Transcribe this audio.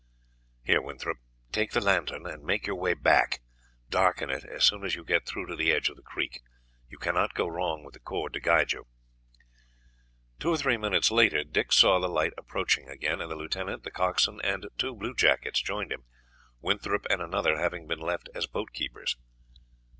"Here, Winthorpe, take the lantern and make your way back; darken it as soon as you get through to the edge of the creek. You cannot go wrong with the cord to guide you." Two or three minutes later Dick saw the light approaching again, and the lieutenant, the coxswain, and two bluejackets joined him, Winthorpe and another having been left as boat keepers.